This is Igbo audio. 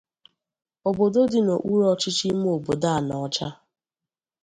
obodo dị n'okpuru ọchịchị ime obodo Anaọcha